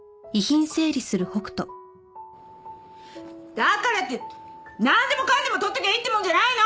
だからってなんでもかんでも取っときゃいいってもんじゃないの！